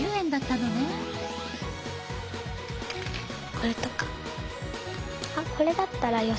これとか。